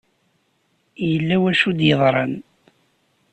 Yella wacu i d-yeḍran.